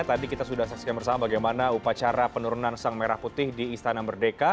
tadi kita sudah saksikan bersama bagaimana upacara penurunan sang merah putih di istana merdeka